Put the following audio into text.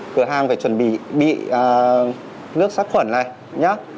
cửa hàng phải chuẩn bị nước sát khuẩn này nhé